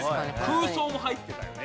空想も入ってたよね。